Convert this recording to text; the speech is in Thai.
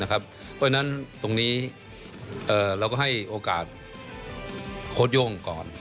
เพราะฉะนั้นตรงนี้เราก็ให้โอกาสโค้ดโย่งก่อน